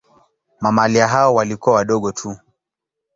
Mamalia hao walikuwa wadogo tu.